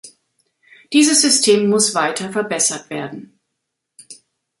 Dieses System muss weiter verbessert werden.